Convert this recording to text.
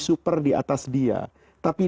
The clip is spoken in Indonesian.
super diatas dia tapi